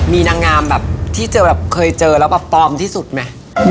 มีนางงามแบบที่เจอแบบเคยเจอแล้วแบบปลอมที่สุดไหม